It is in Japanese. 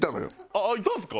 あっいたんですか？